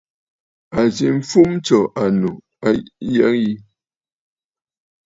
A zwì fûm tso annù a yəgə yi.